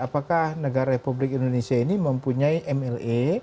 apakah negara republik indonesia ini mempunyai mle